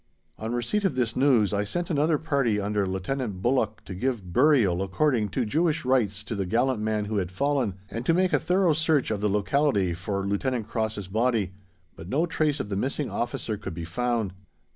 On receipt of this news I sent another party under Lieutenant Bullock to give burial according to Jewish rites to the gallant man who had fallen, and to make a thorough search of the locality for Lieutenant Cross's body, but no trace of the missing officer could be found.